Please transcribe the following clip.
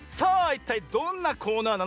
いったいどんなコーナーなのか？